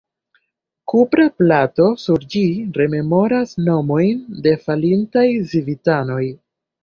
Kupra plato sur ĝi rememoras nomojn de falintaj civitanoj.